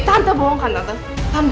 tante bohongkan tante